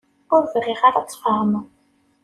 Ur bɣiɣ ara ad tfehmeḍ.